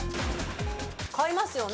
買いますよね。